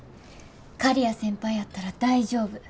刈谷先輩やったら大丈夫。